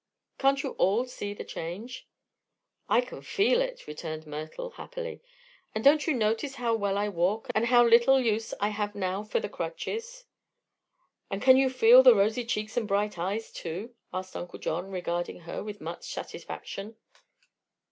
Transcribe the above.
Can't you all see the change?" "I can feel it," returned Myrtle, happily. "And don't you notice how well I walk, and how little use I have now for the crutches?" "And can you feel the rosy cheeks and bright eyes, too?" asked Uncle John, regarding her with much satisfaction.